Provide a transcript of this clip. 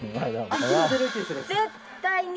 絶対に。